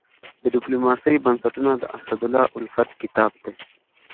د ډيپلوماسي بنسټونه د اسدالله الفت کتاب دی.